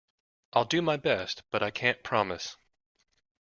I'll do my best, but I can't promise.